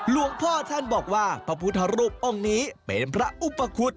หลวงพ่อท่านบอกว่าพระพุทธรูปองค์นี้เป็นพระอุปคุฎ